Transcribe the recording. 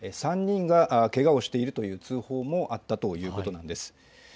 ３人がけがをしているという通報があったということなんです。